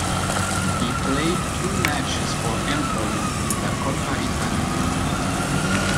He played two matches for Empoli in the Coppa Italia.